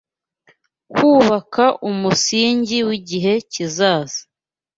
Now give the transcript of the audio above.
Kubaka umusingi wigihe kizaza